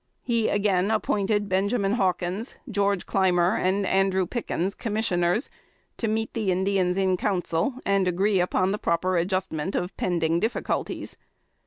He again appointed Benjamin Hawkins, George Clymer and Andrew Pickens, Commissioners, to meet the Indians in Council, and agree upon the proper adjustment of pending difficulties.